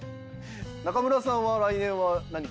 中村さんは来年は何か。